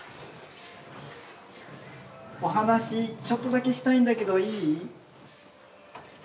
お話ちょっとだけしたいんだけどいい？